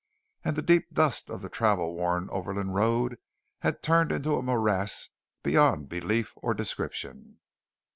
And the deep dust of the travel worn overland road had turned into a morass beyond belief or description.